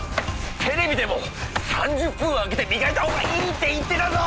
テレビでも３０分空けてみがいたほうがいいって言ってたぞ！